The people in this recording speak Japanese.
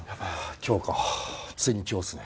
今日かついに今日ですね。